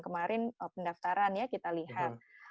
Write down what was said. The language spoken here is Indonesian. kemarin pendaftaran ya kita lihat